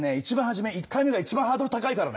１回目が一番ハードル高いからね。